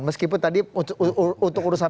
meskipun tadi untuk urusan